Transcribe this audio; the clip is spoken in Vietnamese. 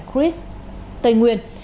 chris tây nguyên